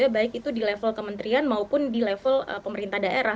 baik itu di level kementerian maupun di level pemerintah daerah